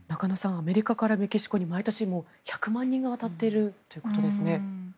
アメリカからメキシコに毎年１００万人が渡っているということですね。